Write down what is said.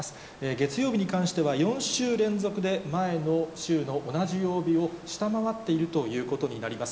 月曜日に関しては、４週連続で、前の週の同じ曜日を下回っているということになります。